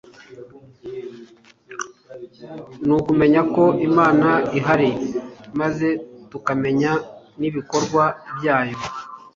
ni ukumenya ko Imana ihari maze tukamenya n'ibikorwa byayo.